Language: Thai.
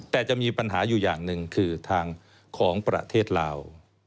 แต่จะมีปัญหาอยู่อย่างหนึ่งคือทางของประเทศลาว